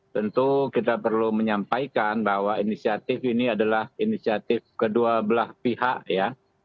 tentu kita perlu menyampaikan bahwa inisiatif ini adalah inisiatif kedua belah pihak ya